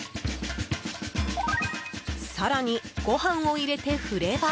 更に、ご飯を入れて振れば。